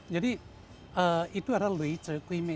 jadi itu adalah lei ce kui mei